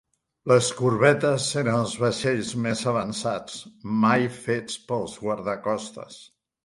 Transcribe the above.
Les corbetes eren els vaixells més avançats mai fets pels guardacostes.